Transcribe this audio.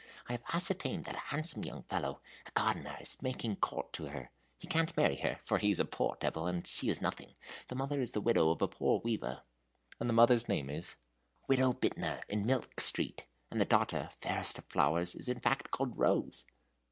I have ascertained that a handsome young fellow, a gardener, is making court to her. He can't marry her, for he is a poor devil, and she has nothing. The mother is the widow of a poor weaver." "And the mother's name is?" "Widow Bittner, in Milk Street; and the daughter, fairest of flowers, is in fact called Rose."